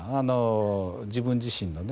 自分自身のね